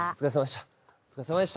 お疲れさまでした。